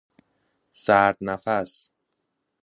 سرد نفس